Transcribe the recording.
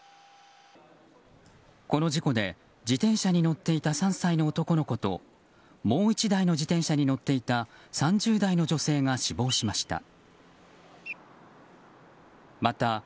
この事故で自転車に乗っていた３歳の男の子ともう１台の自転車に乗っていた３０代の女性が死亡しました。